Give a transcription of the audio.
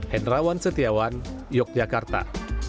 hendrawan setiawan yogyakarta